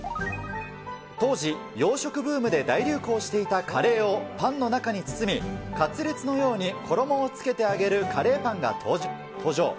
当時、洋食ブームで大流行していたカレーをパンの中に包み、カツレツのように衣をつけて揚げるカレーパンが登場。